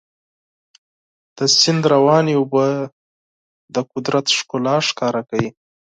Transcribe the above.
د سیند روانې اوبه د قدرت ښکلا ښکاره کوي.